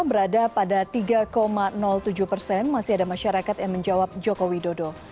berada pada tiga tujuh persen masih ada masyarakat yang menjawab jokowi dodo